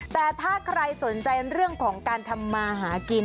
แต่ถ้าใครสนใจเรื่องของการทำมาหากิน